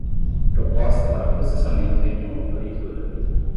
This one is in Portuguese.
Proposta para processamento em uma única leitura.